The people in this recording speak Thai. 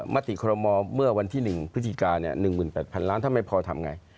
มติคอรมอลเมื่อวันที่๑พฤศจิกา๑๘๐๐ล้านถ้าไม่พอทำไง